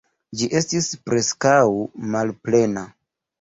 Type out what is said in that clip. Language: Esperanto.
Ĝi estis preskaŭ malplena.